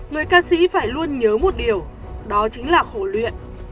người ca sĩ phải luôn nhớ một điều đó chính là khổ luyện